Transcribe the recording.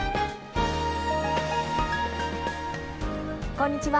こんにちは。